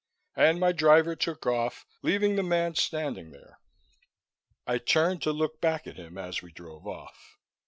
And my driver took off, leaving the man standing there. I turned to look back at him as we drove off.